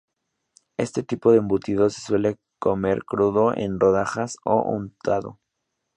Este tipo de embutido se suele comer crudo en rodajas o untado.